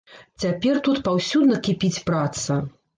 Цяпер тут паўсюдна кіпіць праца.